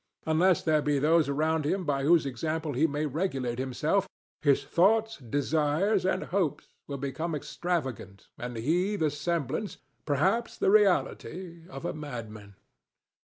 Unless there be those around him by whose example he may regulate himself, his thoughts, desires and hopes will become extravagant and he the semblance—perhaps the reality—of a madman.